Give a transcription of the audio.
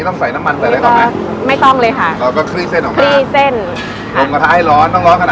ลมกระทะให้ร้อนต้องร้อนขนาดไหน